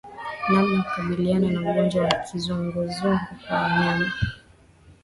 Namna ya kukabiliana na ugonjwa wa kizunguzungu kwa wanyama